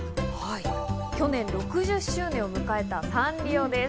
去年６０周年を迎えたサンリオです。